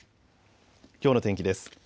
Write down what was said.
きょうの天気です。